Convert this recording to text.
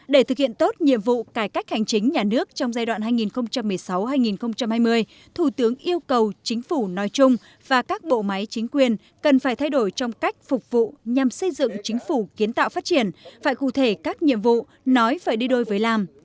để thực hiện tốt nhiệm vụ cải cách hành chính nhà nước trong giai đoạn hai nghìn một mươi sáu hai nghìn hai mươi thủ tướng yêu cầu chính phủ nói chung và các bộ máy chính quyền cần phải thay đổi trong cách phục vụ nhằm xây dựng chính phủ kiến tạo phát triển phải cụ thể các nhiệm vụ nói phải đi đôi với làm